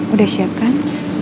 udah siap kan